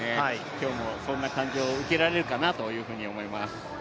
今日もそんな感じを受けられるかなと思います。